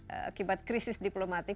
akibat krisis diplomatik